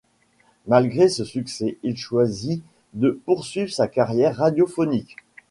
Malgré ce succès, il choisit de poursuivre sa carrière radiophonique.